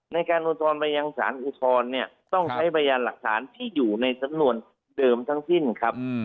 ในการอุทธรณ์ไปยังสารอุทธรณ์เนี่ยต้องใช้พยานหลักฐานที่อยู่ในสำนวนเดิมทั้งสิ้นครับ